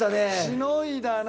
しのいだな。